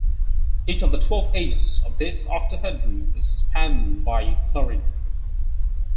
Each of the twelve edges of this octahedron is spanned by Cl.